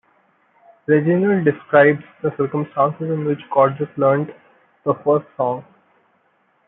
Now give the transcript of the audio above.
Reginald describes the circumstances in which Godric learnt the first song.